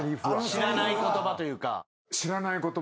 知らない言葉というか。